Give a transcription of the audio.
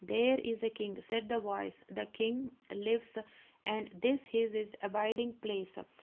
"There is a king!" said the voice. "The king lives, and this is his abiding place!"